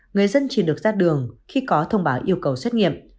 người dân chỉ được ra đường khi có thông báo yêu cầu xét nghiệm